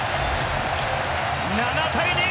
７対２！